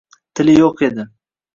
Tili yoʻq edi